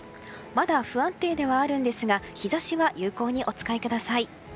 まだ不安定ではあるんですが日差しは有効にお使いください。